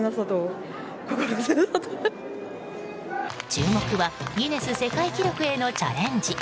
注目はギネス世界記録へのチャレンジ。